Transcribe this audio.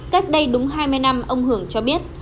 cách đây đúng hai mươi năm ông hưởng cho biết